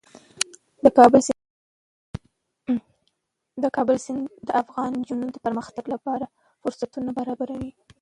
د کابل سیند د افغان نجونو د پرمختګ لپاره فرصتونه برابروي.